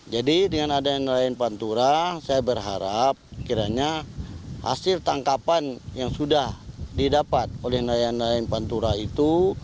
jadi dengan adanya nelayan pantura saya berharap kiranya hasil tangkapan yang sudah didapat oleh nelayan nelayan pantura itu